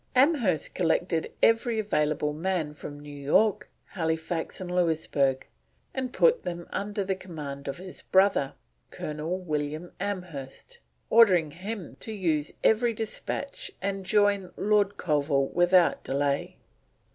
Amherst collected every available man from New York, Halifax, and Louisberg, and putting them under the command of his brother, Colonel William Amherst, ordered him to use every despatch and join Lord Colville without delay.